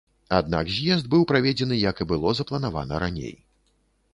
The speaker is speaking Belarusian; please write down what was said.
Аднак, з'езд быў праведзены, як і было запланавана раней.